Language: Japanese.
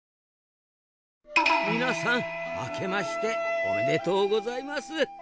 皆さんあけましておめでとうございます。